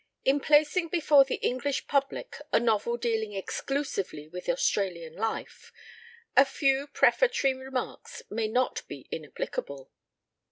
In placing before the English public a novel dealing exclu sively with Australian life, a few prefatory remarks may not be inapplicable.